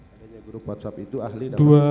adanya grup whatsapp itu ahli dapat